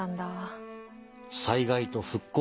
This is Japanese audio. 災害と復興。